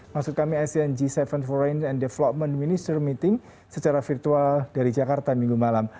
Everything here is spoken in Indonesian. maksud kami asean g tujuh foreign and development minister meeting secara virtual dari jakarta minggu malam